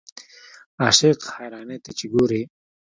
عاشق حیرانۍ ته چې ګورې.